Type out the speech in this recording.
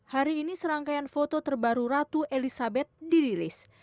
hari ini serangkaian foto terbaru ratu elizabeth dirilis